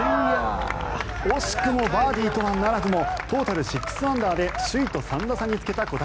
惜しくもバーディーとはならずもトータル６アンダーで首位と３打差につけた小平。